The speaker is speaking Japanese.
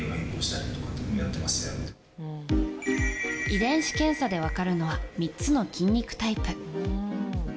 遺伝子検査で分かるのは３つの筋肉タイプ。